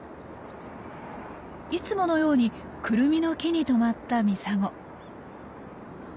いつものようにクルミの木に止まったミサゴ。